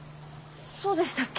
そうでしたっけ。